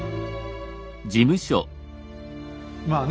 まあね